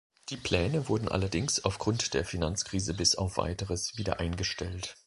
Die Pläne wurden allerdings aufgrund der Finanzkrise bis auf Weiteres wieder eingestellt.